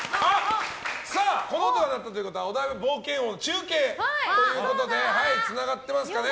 この音が鳴ったということはお台場冒険王の中継ということでつながってますか。